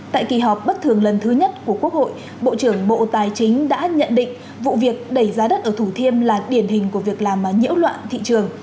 tại kỳ họp bất thường lần thứ nhất của quốc hội bộ trưởng bộ tài chính đã nhận định vụ việc đẩy giá đất ở thủ thiêm là điển hình của việc làm nhiễu loạn thị trường